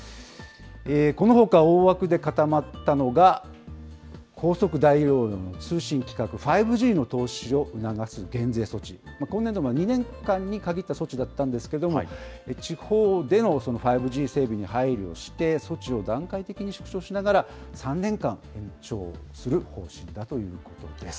このほか、大枠で固まったのが、高速大容量の通信規格、５Ｇの投資を促す減税措置、今年度まで２年間に限った措置だったんですけれども、地方での５Ｇ整備に配慮して、措置を段階的に縮小しながら、３年間延長する方針だということです。